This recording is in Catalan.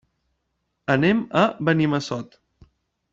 Anem a Benimassot.